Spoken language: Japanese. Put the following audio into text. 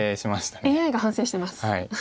ＡＩが反省してます。